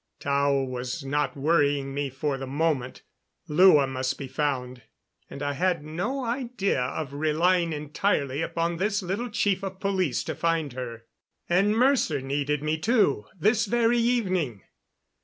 Tao was not worrying me for the moment. Lua must be found, and I had no idea of relying entirely upon this little chief of police to find her. And Mercer needed me, too, this very evening.